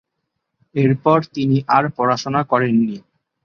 এরপর তিনি আর পড়াশোনা করেন নি।